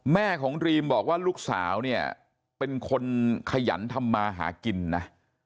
แม่ของรีมบอกว่าลูกสาวเนี่ยเป็นคนขยันทำมาหากินนะ